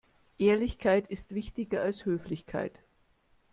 Ehrlichkeit ist wichtiger als Höflichkeit.